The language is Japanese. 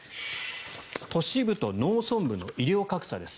都市部と農村部の医療格差です。